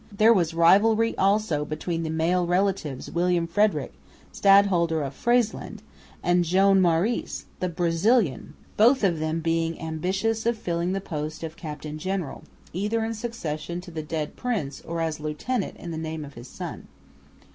There was rivalry also between the male relatives William Frederick, Stadholder of Friesland, and Joan Maurice, the "Brazilian," both of them being ambitious of filling the post of captain general, either in succession to the dead prince, or as lieutenant in the name of his son.